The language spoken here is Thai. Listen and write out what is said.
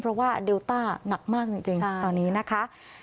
เพราะว่าเดลต้าหนักมากจริงตอนนี้นะคะ